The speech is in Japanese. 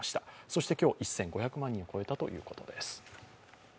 そして今日、１５００万人を超えたということです。